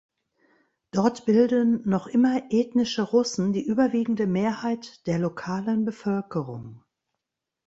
Dort bilden noch immer ethnische Russen die überwiegende Mehrheit der lokalen Bevölkerung.